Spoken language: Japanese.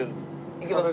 いけます？